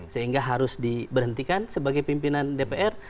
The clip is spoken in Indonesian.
sehingga harus diberhentikan sebagai pimpinan dpr